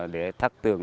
để thắc tượng